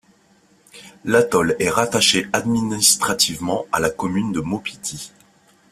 L'atoll est rattaché administrativement à la commune de Maupiti.